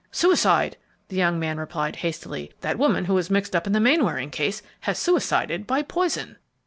"Suicide!" the young man replied, hastily. "That woman who was mixed up in the Mainwaring case has suicided by poison."